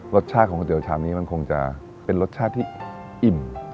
รสชาติของก๋วเตี๋ชามนี้มันคงจะเป็นรสชาติที่อิ่ม